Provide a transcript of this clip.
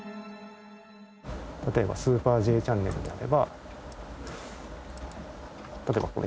例えば『スーパーＪチャンネル』であれば例えばこれ。